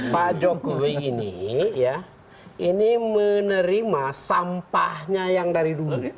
pak jokowi ini ya ini menerima sampahnya yang dari dulu